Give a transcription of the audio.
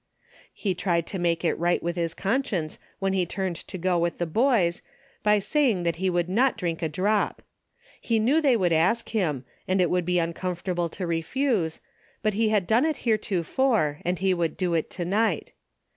He tried to make it right with his conscience when he turned to go with the boys, by saying that he would not drink a drop. He knew they Avould ask him, and it would be uncomfortable to refuse, but he had done it heretofore, and he would do it to night.